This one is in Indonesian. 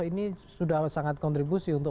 ini sudah sangat kontribusi untuk